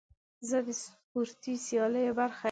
زه د سپورتي سیالیو برخه یم.